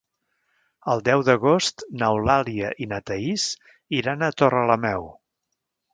El deu d'agost n'Eulàlia i na Thaís iran a Torrelameu.